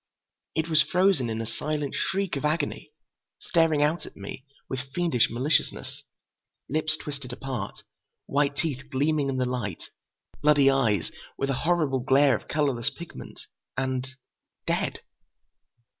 It was frozen in a silent shriek of agony, staring out at me with fiendish maliciousness. Lips twisted apart. White teeth gleaming in the light. Bloody eyes, with a horrible glare of colorless pigment. And—dead.